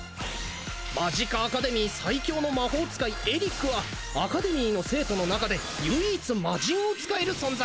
マジカアカデミー最強の魔法使いエリックはアカデミーの生徒の中で唯一マジンを使える存在！